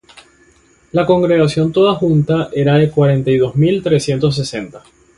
La congregación toda junta era de cuarenta y dos mil trescientos y sesenta,